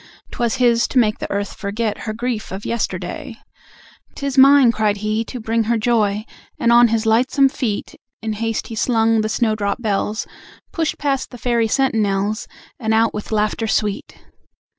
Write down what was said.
'Twas his to make the Earth forget Her grief of yesterday. "'Tis mine," cried he, "to bring her joy!" And on his lightsome feet In haste he slung the snowdrop bells, Pushed past the Fairy sentinels, And out with laughter sweet.